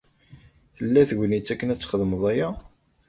Tella tegnit akken ad txedmeḍ aya?